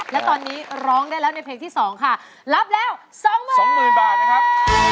และตอนนี้ร้องได้แล้วในเพลงที่๒ค่ะรับแล้ว๒๒๐๐๐บาทนะครับ